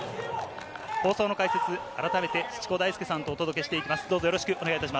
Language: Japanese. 放送の解説、改めて土子大輔さんとお届けしていきます。